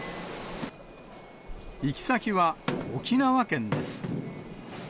行き先は沖縄県です。